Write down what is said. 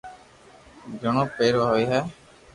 گھڙو پيروا ھوئي ھي